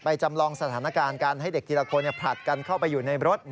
จำลองสถานการณ์การให้เด็กทีละคนผลัดกันเข้าไปอยู่ในรถ